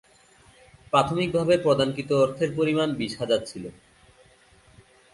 প্রাথমিকভাবে প্রদানকৃত অর্থের পরিমাণ বিশ হাজার ছিল।